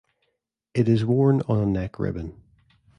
It is worn on a neck ribbon.